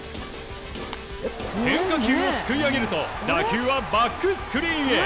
変化球をすくい上げると打球はバックスクリーンへ。